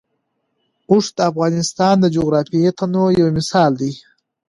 اوښ د افغانستان د جغرافیوي تنوع یو مثال دی.